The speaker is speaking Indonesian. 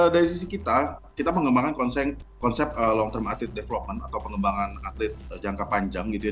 dari sisi kita kita mengembangkan konsep long term atlet development atau pengembangan atlet jangka panjang gitu ya